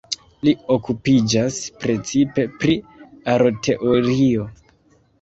Li okupiĝas precipe pri Aroteorio.